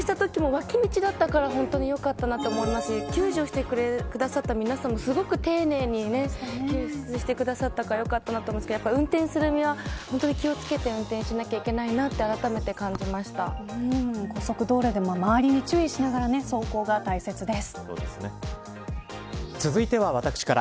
乱入してしまうときも脇道だったからよかったなと思いますし救助してくださった皆さんもすごく丁寧に救出してくださったからよかったなと思いますが運転するには本当に気をつけて運転しないといけないなと高速道路でも周りに注意しながら走行が大切です。